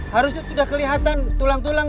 harusnya sudah kelihatan tulang tulang